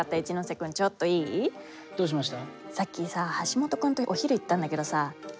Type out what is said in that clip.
どうしました？